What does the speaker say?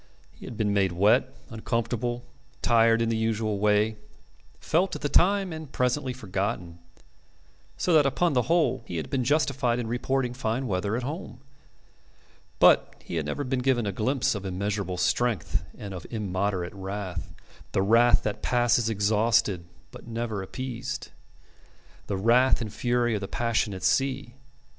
He had been made wet, uncomfortable, tired in the usual way, felt at the time and presently forgotten. So that upon the whole he had been justified in reporting fine weather at home. But he had never been given a glimpse of immeasurable strength and of immoderate wrath, the wrath that passes exhausted but never appeased the wrath and fury of the passionate sea.